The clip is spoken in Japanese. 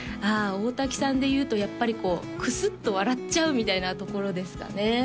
ああ大滝さんでいうとやっぱりこうクスッと笑っちゃうみたいなところですかね